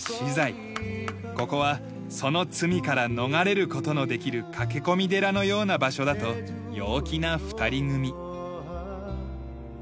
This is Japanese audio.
ここはその罪から逃れる事のできる駆け込み寺のような場所だと陽気な２人組。